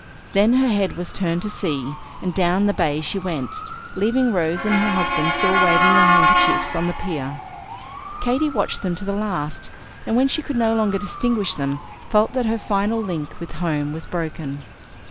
Then her head was turned to sea, and down the bay she went, leaving Rose and her husband still waving their handkerchiefs on the pier. Katy watched them to the last, and when she could no longer distinguish them, felt that her final link with home was broken.